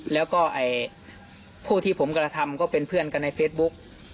แล้วก็ผู้ที่ผมกระทำก็เป็นเพื่อนกันในเฟซบุ๊ก